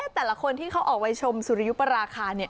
แต่ละคนที่เขาออกไว้ชมสุริยุปราคา